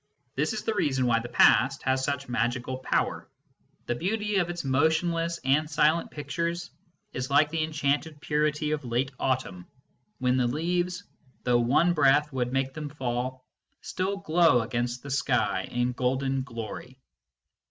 This is the reason why the Past has such magical power. The beauty of its motionless and silent pictures is like the enchanted purity of late autumn, when the leaves, though one breath would make them fall, still glow against the sky in golden glory.